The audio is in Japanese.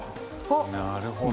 なるほど。